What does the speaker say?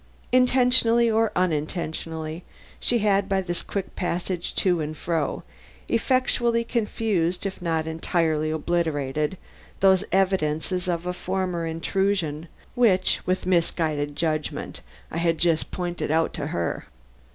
Intentionally or unintentionally, she had by this quick passage to and fro effectually confused, if not entirely obliterated, those evidences of a former intrusion which, with misguided judgment, I had just pointed out to her.